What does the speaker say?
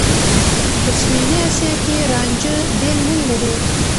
په سوېلي اسيا کې رانجه بېل نوم لري.